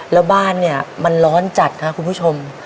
แล้วบ้านมันร้อนจัดค่ะคุณผู้ชม